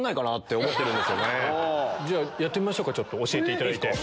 やってみましょうか教えていただいて。